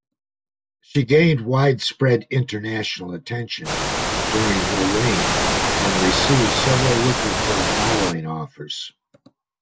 She gained widespread international attention during her reign and received several lucrative modelling offers.